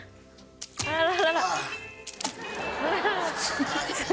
あららら。